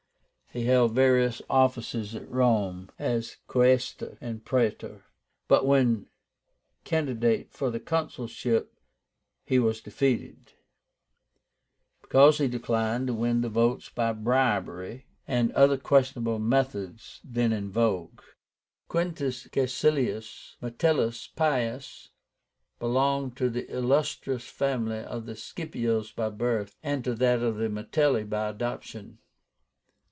He held various offices at Rome, as Quaestor and Praetor; but when candidate for the consulship he was defeated, because he declined to win votes by bribery and other questionable methods then in vogue. QUINTUS CAECILIUS METELLUS PIUS belonged to the illustrious family of the Scipios by birth, and to that of the Metelli by adoption.